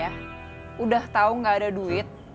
kamu ya udah tau ga ada duit